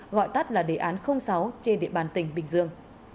gọi tắt là đề án sáu